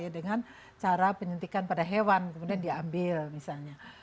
dengan cara penyuntikan pada hewan kemudian diambil misalnya